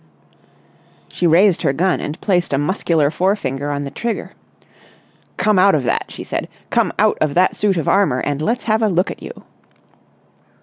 She raised her gun, and placed a muscular forefinger on the trigger. "Come out of that!" she said. "Come out of that suit of armour and let's have a look at you!"